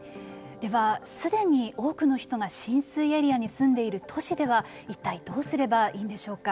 では、すでに多くの人が浸水エリアに住んでいる都市では一体どうすればいいんでしょうか。